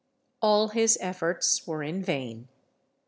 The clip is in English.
All his efforts were in vain.